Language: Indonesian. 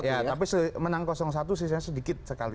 ya tapi menang satu sisinya sedikit sekali